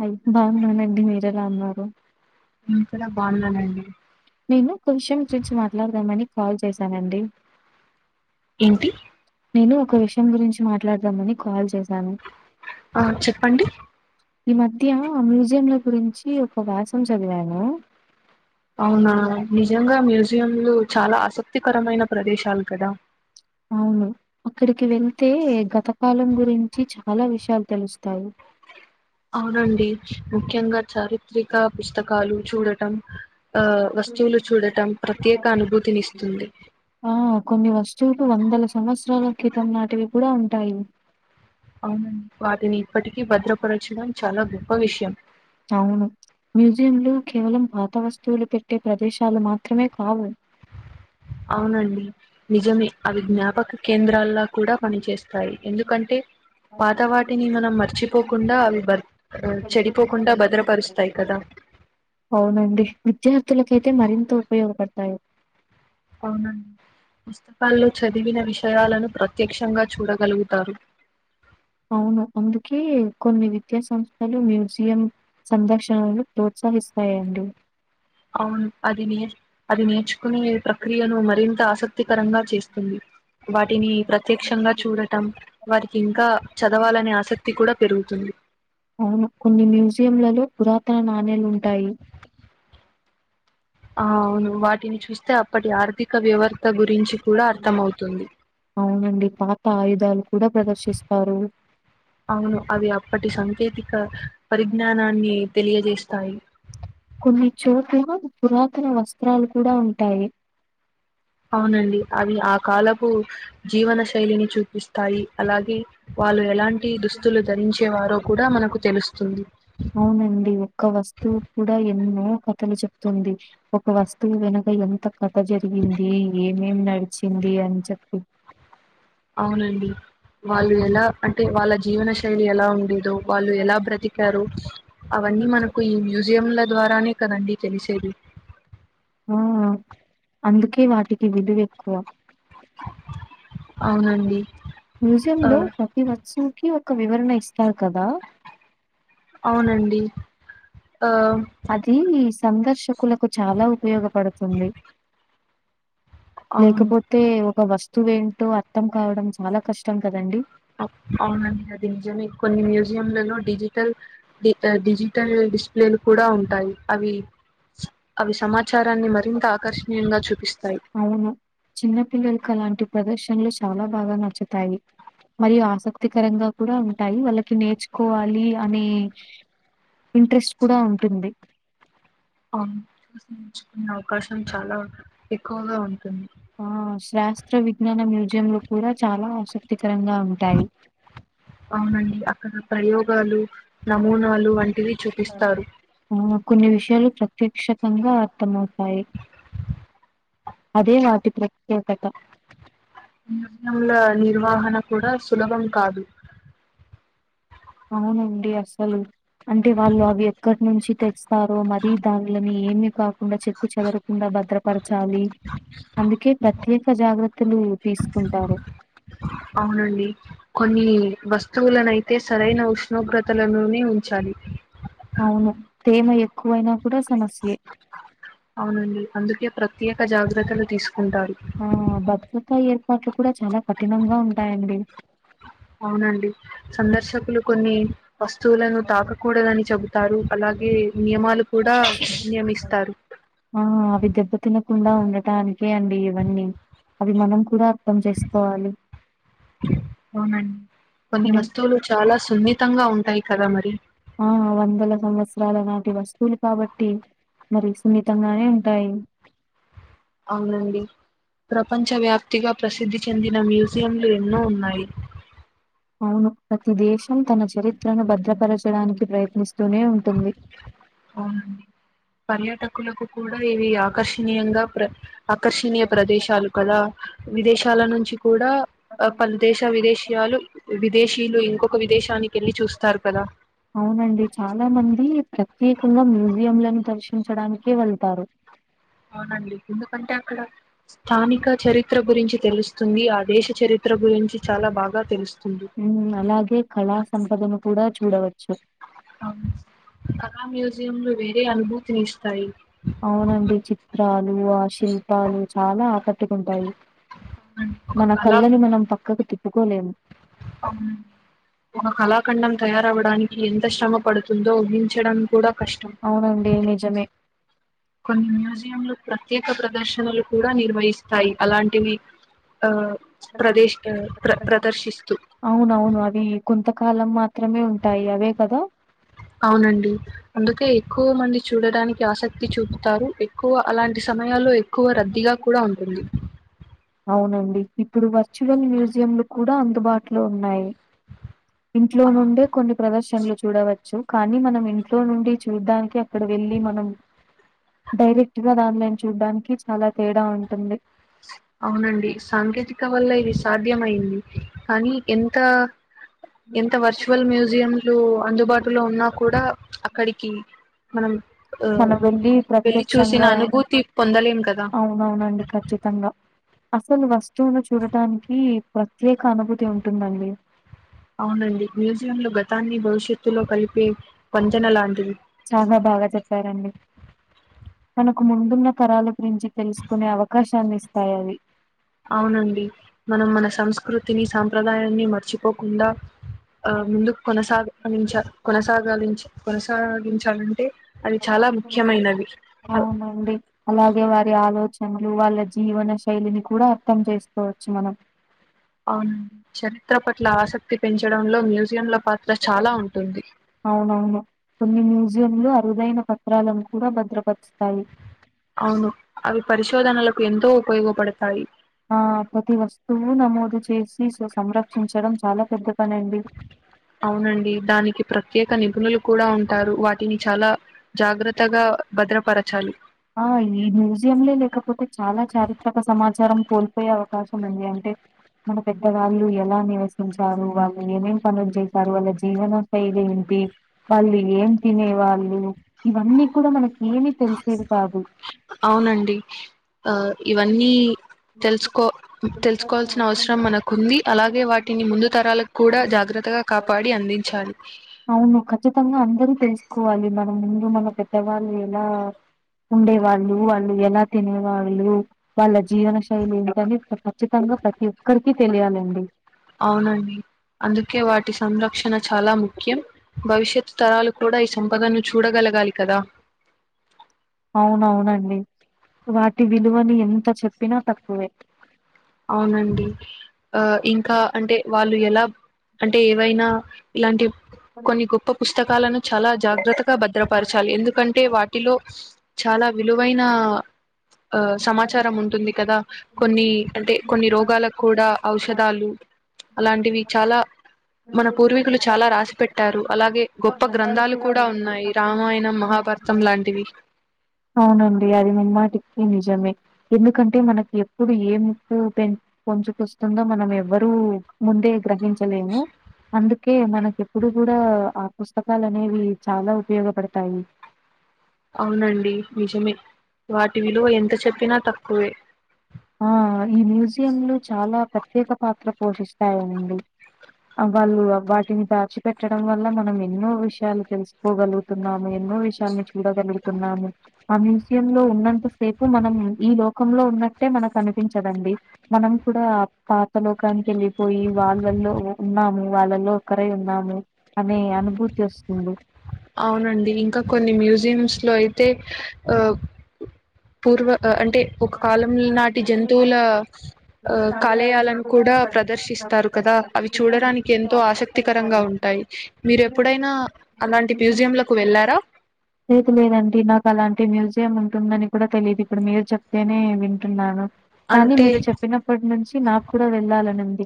Hi బాగున్నానండి మీరు ఎలా అన్నారు నిను కూడా బాగున్నానండి నేను కొంచెం ఒక విషయం గురించి మాట్లాడదామని కాల్ చేసానండి ఏంటి నేను ఒక విషయం గురించి మాట్లాడదామని కాల్ చేసా ఆ చెప్పండి ఈ మధ్య మ్యూజియం ల గురించి ఒక వ్యాసం చదివాను అవునా నిజంగా మ్యూజియంలు చాలా ఆసక్తికరమైన ప్రదేశాలు కదా అవును అక్కడికి వెళ్తే గత కాలం గురించి చాలా విషయాలు తెలుస్తాయి [inaudible] అవునండి ముఖ్యంగా చారిత్రిక పుస్తకాలు చూడటం ఆ వస్తువులు చూడటం ప్రత్యేక అనుభూతినిస్తుంది ఆ కొన్ని వస్తువులు వందల సంవత్సరాల క్రితం లాంటివి కూడా ఉంటాయి వాటిని ఇప్పటికీ భద్రపరచడం చాల గొప్ప విషయం అవును మ్యూజియంలు కేవలం పాత వస్తువులు పెట్టే ప్రదేశాలు మాత్రమే కావు అవునండి నిజమే అవి జ్ఞాపక కేంద్రాల్ల కూడ పని చేస్తాయి ఎందుకంటే పాత వాటిని మనం మర్చిపోకుండ అవి చెడిపోకుండా భద్రపరుచుతాయి కదా అవునండి విద్యార్థులకైతే మరింత ఉపయోగపడతాయి అవునండి పుస్తకాల్లో చదివిన విషయాలను ప్ర ప్రత్యక్షంగా చూడగలుగుతారు అవును అందుకే కొన్ని విద్యా సంస్థలు మ్యూజియం సందర్శనలు ప్రోత్ సహిస్తయండి అవును అది నేర్ అది నేర్చుకునే ప్రక్రియను మరింత ఆసక్తికరంగా చేస్తుంది వాటిని ప్రత్యక్షంగా చూడటం వారికి ఇంకా చదవాలనే ఆసక్తి కూడా పెరుగుతుంది కొన్ని మ్యూజియంలలో పురాతన నాణేలుంటాయి ఆ అవును వాటిని చూస్ అప్పటి ఆర్థిక వ్యవస్థ గురించి కూడాఅర్థమవుతుంది డి పాత ఆయుధాలు కూడ ప్రదర్శిస్తారు అవును అవి అప్పటి సాంకేతిక పరిజ్ఞానాన్ని తెలియజే తాయి కొన్ని చోటుల పురాతన వస్త్రాలు కూడ ఉంటాయి అవునండి అవి ఆ కాలపు జీవన శైలిని చూపిస్తాయి అలాగే వాళ్ళు ఎలాంటి దుస్తులు ధరించేవారో కూడ మనకు తెలుస్తుంది అవునండి. ఒక్క వస్తువు కూడ ఎన్నో కథలు చెప్తుంది ఒక వస్తువు వెనక ఎంత కథ జరిగింది ఏమేమి న చ్చింది అని చెప్పి అవునండి వాళ్ళు ఎలా అంటే వాళ్ళ జీవన శైలి ఎలా ఉండేదో వాళ్ళు ఎలా బ్రతికారు అవన్నీ మనకు ఈ మ్యూజియంల ద్వారానే కదండి తెలిసేది ఆ అందుకే వాటికి విలువ ఎక్కువ అవునండి ఆ మ్యూజియంలో ప్రతి వస్తువుకి ఒక వివరణ ఇస్తారు కదా అవునండి ఆ అది సందర్శకులకు చాల ఉపయోగపడుతుంది అవును లేకపోతే ఒక వస్తువెంటో అర్థం కావడం చాల కష్టం కదండి అ అవునండి అది నిజమే కొన్ని మ్యూజియంలలో డిజిటల్ డిజిటల్ డిస్ప్లేలు కూడ ఉంటాయి అవి అవి సమ అవును చిన్నపిల్లలకు అలాంటి ప్రదర్శనలు చాలా బాగ నచ్చుతాయి మరియు ఆసక్తికరంగా కూడ ఉంటాయి వాళ్ళకి నేర్చుకోవాలి అనే ఇంట్రెస్ట్ కూడ ఉంటుంది అవును చూసి నేర్చుకునే అవకాశం చాల ఎక్కువగ ఉంటుంది ఆ శాస్త్ర విజ్ఞాన మ్యూజియంలు కూడ చాలా ఆసక్తికరంగా ఉంటాయి అవునం ప్రయోగాలు వంటివి చూపిస్తారు అవును కొన్ని విషయాలు చెప్ ప్రక్షకంగా అర్థమవుతాయి. అదే వాటి ప్రత్యేకత. [inaudible] నల నిర్వహణ కూడా సులభం కాదు. అవునండి అసలు అంటే వాళ్ళు అవి ఎక్కడి నుంచి తెస్తారో, మరీ దానిలో మీ ఏమి కాకుండా చెక్కు చెదరకుండా భద్రపరచాలి. అందుకే ప్రత్యేక జాగ్రత్తలు తీసుకుంటారు. అవునండి కొన్ని వస్తువులనయితే సరైన ఉష్ణోగ్రతలలోనే ఉంచాలి. అవును. తేమ ఎక్కువైనా కూడా సమస్యే. అవునండి అందుకే ప్రత్యేక జాగ్రత్తలు తీసుకు ఆ భద్రతా ఏర్పాట్లు కూడా చాలా కఠినంగా ఉంటాయండి. అవునండి సందర్శకులు కొన్ని వస్తువులను తాకకూడదని చెబుతారు. అలాగే నియమాలు కూడా నియమిస్తారు. ఆ అవి దెబ్బ తినకుండా ఉండటానికే అండి ఇవన్నీ. అవి మనం కూడా అర్థం చేసుకోవాలి. అవునండి కొన్ని వస్తువులు చాలా సున్నితంగా ఉంటాయి కదా మరి. ఆ వందల సంవత్సరాల నాటి వస్తువులు కాబట్టి. మరి సున్నితంగానే ఉంటాయి. అవునండి ప్రపంచ వ్యాప్తిగా ప్రసిద్ధి చెందిన మ్యూ జియంలు ఎన్నో ఉన్నాయి. అవును ప్రతి దేశం తన చరిత్రను భద్రపరచడానికి ప్రయత్నిస్తూనే ఉంటుంది. అవునండి పర్యాటకులకు కూడా ఇవి ఆకర్షణీయంగా ప్ర ఆకర్షణీయ ప్రదేశాలు కదా. విదేశాల నుంచి కూడా పలు దేశ విదేశీయ వాల్లు విదేశీలు ఇంకొక విదేశాని అవునండి చాలా మంది ప్ర త్యేకంగా మ్యూజియంలను దర్శించడానికే వెళ్తారు. అవునండి ఎందుకంటే అక్కడ స్థానిక చరిత్ర గురించి తెలుస్తుంది. ఆ దేశ చరిత్ర గురించి చాలా బాగా తెలుసు ఉ అలాగే కళా సంపదను కూడా చూడవచ్చు. అవును కళా మ్యూజియంలు వేరే అనుభూతిని ఇస్తాయి. అవునండి చిత్రాలు, ఆ శిల్పాలు చాలా ఆకట్టుకుంటాయి. అవునండి, ఒక మన కళా కళ్ళని మనం పక్కకు తిప్పుకోలేము. అవును ఒక కళాఖండం తయారవడానికి ఎంత శ్రమ పడుతుందో ఊహించడం కూడా కష్టం అవునండి నిజమే. కొన్ని మ్యూజియంలు ప్రత్యేక ప్రదర్శనలు కూడా నిర్వహిస్తాయి అలాంటివి. ఆ ప్రదేశ్ ఆ, ప్ర ప్రదర్శిస్తూ అవునవును అది కొంతకాలం మా అవునండి అందుకే ఎక్కువ మంది చూడడానికి ఆసక్తి చూపుతారు. ఎ క్కువ అలాంటి సమయాల్లో ఎక్కువ రద్దీగా కూడా ఉంటుంది. అవునండి ఇప్పుడు వర్చువల్ మ్యూజియంలు కూడా అందుబాటులో ఉన్నాయి. ఇంట్లో నుండే కొన్ని ప్రదర్శనలు చూడవచ్చు. కానీ మనం ఇంట్లో నుండి చూడడానికి, అక్కడ వెళ్ళి ళ్ళిమనం డైరెక్ట్ గా దాన్లలని చూడ్డానికి చాలా తేడా ఉంటుంది. అవునండి సాంకేతిక వల్ల ఇది సాధ్యమయింది కానీ ఎంత ఎంత వర్చువల్ మ్యూజియంలు అందుబాటులో ఉన్న కు కూడా అక్కడికి మనం ఆహ్, మనం వెళ్ళి వెళ్లి చూసిన ప్రత్యక్షంగా అనుభూతి పొందలేం కదా! అవునవునండి క కచ్చితంగా అసలు వస్తువును చూడటానికి ప్రత్యేక అనుభూతి ఉంటుందండి అవునండి మ్యూజియం లో గతాన్ని భవిష్యత్తులో కలిపే వంతెన లాంటివి. చానా బాగా చెప్పారండి తనకు ముందున్న తరాల గురించి తెలుసుకునే అవకాశాన్ని ఇస్తాయవి అవునండి మనం మన సంస్కృతిని సాంప్రదాయాన్ని మర్చిపోకుండా ఆ ముందు కొనసాగించ కొనసాగాలి కొనసాగించాలంటే అది చాలా ముఖ్యమైనవి అవునండి అలాగే వ ఆలోచనలు వాళ్ళ జీవన శైలిని కూడా అర్థం చేసుకోవచ్చు మనం అవునండి చరిత్ర పట్ల ఆసక్తి పెంచడంలో మ్యూజియం ల పాత్ అవునవును కొన్ని మ్యూజియంలు అరుదైన పత్రాలను కూడా భద్రపరుస్తాయి అవును అవి పరిశోధనలకు ఎంతో ఉపయోగపడతాయి ఆ ప్రతి వస్తువు నమోదు చేసి సంరక్షించడం చాలా పెద్ద పనండి. అవునండి దానికి ప్రత్యేక నిపుణులు కూడా ఉంటారు వాటిని చాలా జాగ్రత్తగా భద్రపరచాలి ఆ ఈ మ్యూజియంలే లేకపోతే చాలా చారిత్రక సమాచారం కోల్పోయే అవకాశం ఉంది అంటే మన పెద్దవాళ్ళు ఎలా నివసించారు వాళ్ళు ఏమేం పనులు చేశారు వాళ్ళ జీవన శైలి ఏంటి వాళ్ళు ఏం తినేవాళ్ళు ఇవన్నీ కూడా మనకి ఏమి తెలిసేవి కాదు అవునండి ఆ ఇవన్నీ తెలుసుకో తెలుసుకోవాల్సిన అవసరం మనకుంది అలాగే వాటిని ముందు తరాలకు కూడా జాగ్ర త్తగా కాపాడి అందించాలి అవును ఖచ్చితంగా అందరూ తెలుసుకోవాలి మనం ముందు మన పెద్దవాళ్ళు ఎలా ఉండే వాళ్ళు వాళ్ళు ఎలా తినే వాళ్ళు వాళ్ళ జీవన శైలి ఏంటని చ్చితంగా ప్రతి ఒక్కరికి తెలియాలండి అవునండి అందుకే వాటి సంరక్షణ చాలా ముఖ్యం భవిష్యత్ తరాలు కూడా ఈ సంపదను చూడగల గలికదా అవునవునండి వాటి విలువని ఎంత చెప్పినా తక్కువే అవునండి ఆ ఇంకా అంటే వాళ్ళు ఎలా అంటే ఏవైనా ఇలాంటి కొన్ని గొప్ప పుస్తకాలను చాలా జాగ్రత్తగా భద్రపరచాలి ఎందుకంటే వాటిలో చాలా విలువైన ఆ సమాచారం ఉంటుంది కదా కొన్ని అంటే కొన్ని రోగాలకు కూడా ఔషధాలు అలాంటివి చాలా మన పూర్వీకులు చాలా రాసి పెట్టారు అలాగే గొప్ప గ్రంథాలు కూడా ఉన్నాయి రామాయణం మహా భర్తం లాంటివి అవునండి అది ముమ్మాటికి నిజమే ఎందుకంటే మనకి ఎప్పుడు ఎముప్పు పెం పంచుకొస్తుందో మనం ఎవ్వరూ ముందే గ్రహించలేము అందు ఓకే మనకి ఎప్పుడు కూడా ఆ పుస్తకాలు అనేవి చాలా ఉపయోగపడతాయి అవునండి నిజమే వాటి విలువ ఎంత చెప్పినా తక్కువే ఆ ఈ మ్యూజియంలు చాలా పెద్ద ప్రత్యేక పాత్ర పోషిస్తాయిండి వాళ్ళు వాటిని దాచి పెట్టడం వల్ల మనం ఎన్నో విషయాలు తెలుసుకోగలుగుతున్నాము ఎన్నో విషయాలని చూడగలుగు తునము ఆ మ్యూజియం లో ఉన్నంత సేపు మనం ఈ లోకంలో ఉన్న మనకి అనిపించదండి మనం కూడా పాత లోకానికి వెళ్ళిపోయి వాళ్ళలో ఉ వాళ్ళలో ఒకరై ఉన్నాము అనే అనుభూతి వస్తుంది అవునండి ఇంకా కొన్ని మ్యూజియంమ్స్ లో అయితే ఆ పూర్వ అంటే ఒక కాలం నాటి జంతువుల కాలేయాలను కూడా ప్రదర్శిస్త స్తారు కదా అవి చూడడానికి ఎంతో ఆసక్తికరంగా ఉంటాయి మీరు ఎప్పుడైనా అలాంటి అ మ్యూజియంలకు వెళ్ళారా లేదులేదండీ నాకు అలాంటి మ్యూజి ఉంటుందని కూడా తెలిదు ఇప్పుడు మీరు చెప్తేనే వింటున్నాను కానీ అంటే మీరు చెప్పినప్పటి నుంచి నాకు కూడా వెళ్ళాలని ఉంది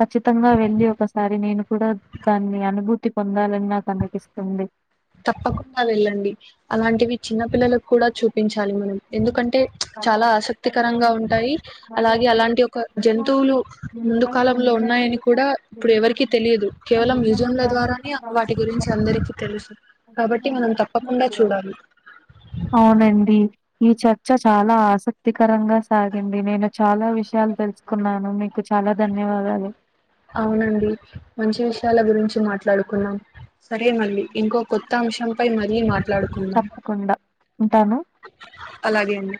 ఖచ్చితంగా వెళ్ళి ఒకసారి నేను కూడా దాన్ని అనుభూతి తి పొందాలని నాకు అనిపిస్తుంది తప్పకుండా వెళ్ళండి అలాంటివి చిన్న పిల్లలకు కూడా చూపించ మన ఎందుకంటే చాలా ఆసక్తికరంగా ఉంటాయి అలాగే అలాంటి ఒక జంతువులు ముందు కాలంలో ఉన్నాయని కూడా ఇప్పుడు ఎవరికీ తెలిదు కేవలం మ్యూజియంల ద్వారానే వాటి గురించి అందరికీ తెలుసు కాబట్టి మనం తప్పకుండా చూడాలి అవునండి. ఈ చర్చ చాలా ఆసక్తికరంగా సాగింది నేను చాలా విషయాలు తెలుసుకున్నాను మీకు చాలా ధన్యవాదాలు. అవునండి మంచి విషయాల గురించి మాట్లాడుకున్నాం సరే మళ్ళీ ఇంకో కొత్త అంశంపై మరీ మాట్లాడుకుందాం తప్పకుండా. ఉంటాను. అలాగే అండి